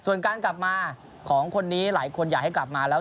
ส่วนการกลับมาของคนนี้หลายคนอยากให้กลับมาแล้ว